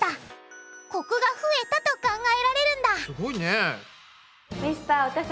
コクが増えたと考えられるんだすごいね。